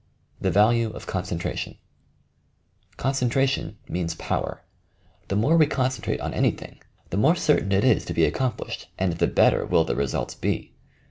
THE VALUE OF CONCENTRATION Concentration means power. The more we concen trate on anything the more certain it is to be accom plished and the better will the results he.